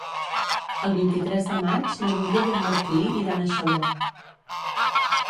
El vint-i-tres de maig na Núria i en Martí iran a Xaló.